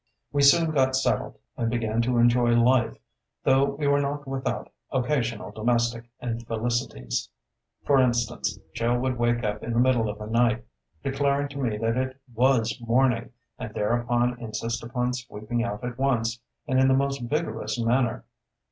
We soon got settled, and began to enjoy life, though we were not without occasional domestic infelicities. For instance, Joe would wake up in the middle of the night, declaring to me that it was morning, and thereupon insist upon sweeping out at once, and in the most vigorous manner.